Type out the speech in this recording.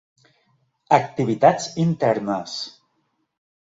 Activitats Internes: